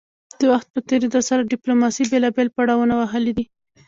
د وخت په تیریدو سره ډیپلوماسي بیلابیل پړاونه وهلي دي